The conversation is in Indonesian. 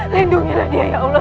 lindungilah dia ya allah